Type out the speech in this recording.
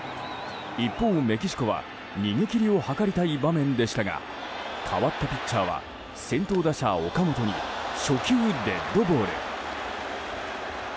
一方、メキシコは逃げ切りを図りたい場面でしたが代わったピッチャーは先頭打者、岡本に初球デッドボール。